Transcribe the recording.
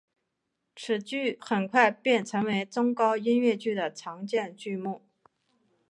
此剧很快便成为高中音乐剧的常见剧目。